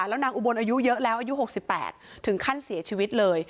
แล้วนางอุบลอายุเยอะแล้วอายุ๖๘ถึงขั้นเสียชีวิตเลย